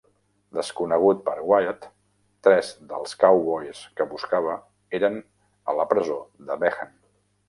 Desconegut per Wyatt, tres dels Cowboys que buscava eren a la presó de Behan.